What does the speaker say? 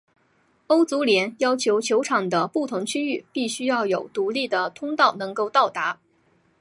欧足联要求球场的不同区域必须要有独立的通道能够到达。